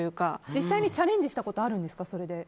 実際にチャレンジしたことあるんですか？